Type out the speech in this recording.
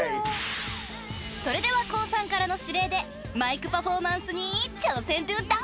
［それではＫＯＯさんからの指令でマイクパフォーマンスに挑戦ｄｏＤａｎｃｅ！